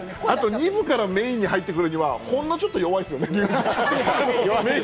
２部からメインに入ってくるにはちょっと弱いですよね。